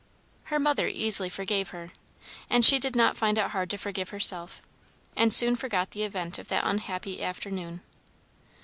Her mother easily forgave her, and she did not find it hard to forgive herself, and soon forgot the event of that unhappy afternoon.